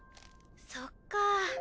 そっか。